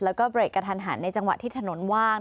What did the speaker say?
แล้วก็เบรกกระทันหันในจังหวะที่ถนนว่าง